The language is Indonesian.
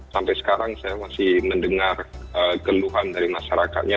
sampai sekarang saya masih mendengar keluhan dari masyarakatnya